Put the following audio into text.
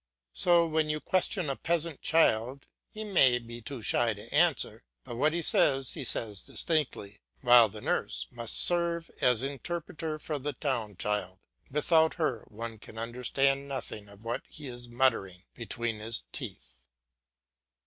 So when you question a peasant child, he may be too shy to answer, but what he says he says distinctly, while the nurse must serve as interpreter for the town child; without her one can understand nothing of what he is muttering between his teeth.